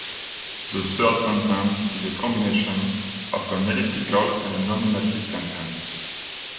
The third sentence is a combination of an elliptical and a nominative sentence.